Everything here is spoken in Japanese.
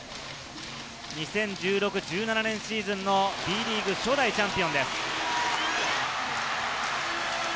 ２０１６−１７年シーズンのＢリーグ初代チャンピオンです。